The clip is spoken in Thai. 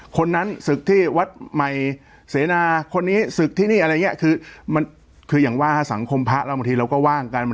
คนนั้นศึกที่วัดใหม่เสนาคนนี้ศึกที่นี่คืออย่างว่าสังคมพระเราก็ว่างกัน